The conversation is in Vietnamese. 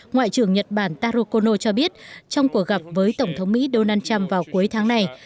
ngoại trưởng nhật bản taro kono cho biết trong cuộc gặp với tổng thống mỹ donald trump vào cuối tháng này